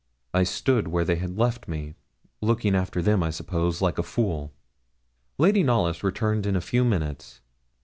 I stood where they had left me, looking after them, I suppose, like a fool. Lady Knollys returned in a few minutes.